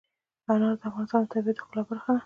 انار د افغانستان د طبیعت د ښکلا برخه ده.